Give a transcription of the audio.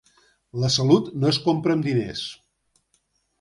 La salut no es compra amb diners.